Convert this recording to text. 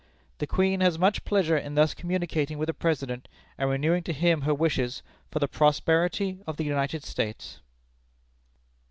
"The Queen has much pleasure in thus communicating with the President, and renewing to him her wishes for the prosperity of the United States."